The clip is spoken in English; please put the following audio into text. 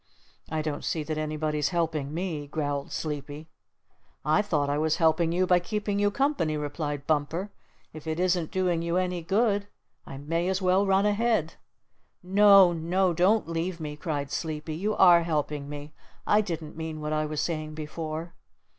"I don't see that anybody's helping me," growled Sleepy. "I thought I was helping you by keeping you company," replied Bumper. "If it isn't doing you any good, I may as well run ahead." "No, no, don't leave me!" cried Sleepy. "You are helping me. I didn't mean what I was saying before."